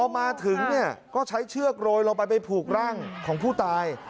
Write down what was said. มาถึงเนี่ยก็ใช้เชือกโรยลงไปไปผูกร่างของผู้ตาย